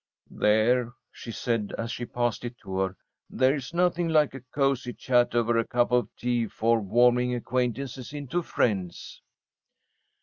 "There!" she said, as she passed it to her. "There's nothing like a cozy chat over a cup of tea for warming acquaintances into friends."